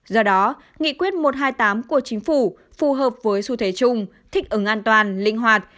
do đó nghị quyết một trăm hai mươi tám của chính phủ phù hợp với xu thế chung thích ứng an toàn linh hoạt